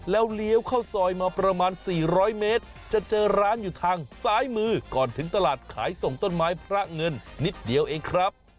แล้วเลี้ยวเข้าซอยมาประมาณ๔๐๐เมตรจะเจอร้านอยู่ทางซ้ายมือก่อนถึงตลาดขายส่งต้นไม้พระเงินนิดเดียวเองครับ